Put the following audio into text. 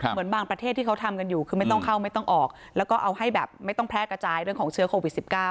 เหมือนบางประเทศที่เขาทำกันอยู่คือไม่ต้องเข้าไม่ต้องออกแล้วก็เอาให้แบบไม่ต้องแพร่กระจายเรื่องของเชื้อโควิด๑๙